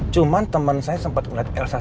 cuman temen saya sempet ngeliat elsa sendiri